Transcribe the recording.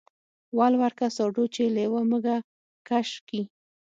ول ورکه ساډو چې لېوه مږه کش کي.